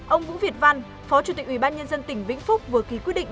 ông vũ việt văn phó chủ tịch ủy ban nhân dân tp đà nẵng vừa ký quyết định